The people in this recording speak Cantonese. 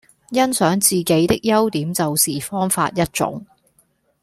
欣賞自己的優點都是方法一種